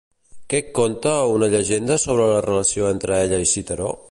Què conta una llegenda sobre la relació entre ella i Citeró?